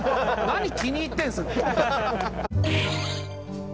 何気に入ってるんですか。